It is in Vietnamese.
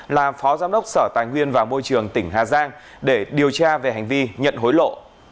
là phó giám đốc sở tài nguyên và môi trường tỉnh hà giang để điều tra về hành vi nhận hối lộ